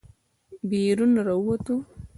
بېرون راووتو.